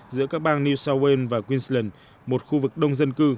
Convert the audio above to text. giữa các bang new south wales và queensland một khu vực đông dân cư